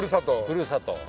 ふるさと。